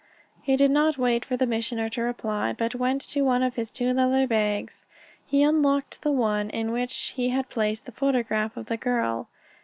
He did not wait for the Missioner to reply, but went to one of his two leather bags. He unlocked the one in which he had placed the photograph of the girl.